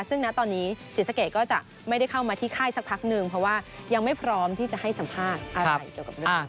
ซึ่งณตอนนี้ศรีสะเกดก็จะไม่ได้เข้ามาที่ค่ายสักพักนึงเพราะว่ายังไม่พร้อมที่จะให้สัมภาษณ์อะไรเกี่ยวกับเรื่องนี้